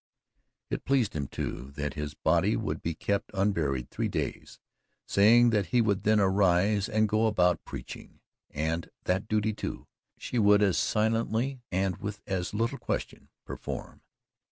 It pleased him, too, that his body should be kept unburied three days saying that he would then arise and go about preaching, and that duty, too, she would as silently and with as little question perform.